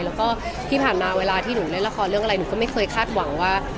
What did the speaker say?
แล้วก็ที่ผ่านมาเวลาที่หนูเล่นละครเรื่องอะไรหนูก็ไม่เคยคาดหวังว่า